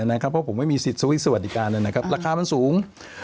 เพราะผมไม่มีสิทธิสวิตช์สวัสดิการราคามันสูง